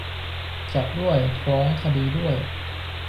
จับด้วย ฟ้องคดีด้วย